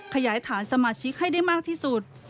ขยายฐานสมาชิกให้ได้มากที่สุด